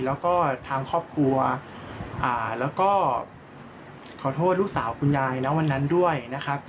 แล้วก็ทางครอบครัวแล้วก็ขอโทษลูกสาวคุณยายนะวันนั้นด้วยนะครับ